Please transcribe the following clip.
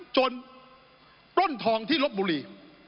จนป้นทองที่รบบุรี